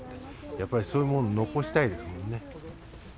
やっぱりそういうものを残したいですもんね。